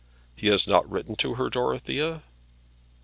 "He has not written to her, Dorothea?"